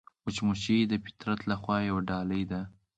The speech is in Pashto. مچمچۍ د فطرت له خوا یوه ډالۍ ده